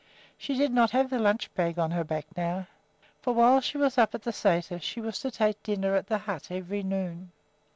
She did not have the lunch bag on her back now, for while she was up at the sæter she was to take dinner at the hut every noon.